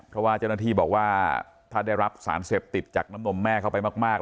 เพราะว่าเจ้าหน้าที่บอกว่าถ้าได้รับสารเสพติดจากน้ำนมแม่เข้าไปมาก